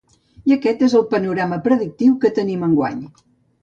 I aquest és el panorama predictiu que tenim enguany.